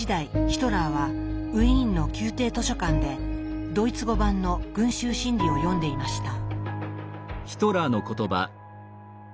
ヒトラーはウィーンの宮廷図書館でドイツ語版の「群衆心理」を読んでいました。